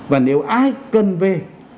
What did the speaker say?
và nếu ai cần về